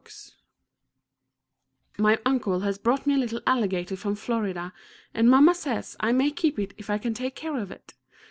] My uncle has brought me a little alligator from Florida, and mamma says I may keep it if I can take care of it.